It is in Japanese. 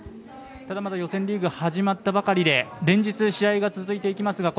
予選リーグ始まったばかりで、連日試合が続いていきます。